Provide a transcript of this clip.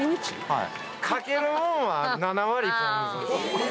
はい。